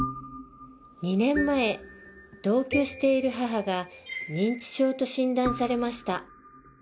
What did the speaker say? ２年前同居している母が認知症と診断されました。